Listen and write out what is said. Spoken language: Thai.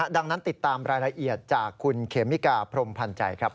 ดังนั้นติดตามรายละเอียดจากคุณเขมิกาพรมพันธ์ใจครับ